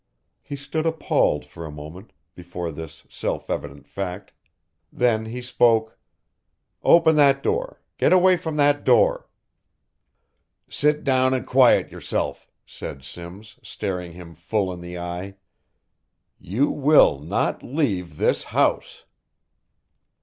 He stood appalled for a moment, before this self evident fact. Then he spoke: "Open that door get away from that door." "Sit down and quiet yourself," said Simms, staring him full in the eye, "you will not leave this house."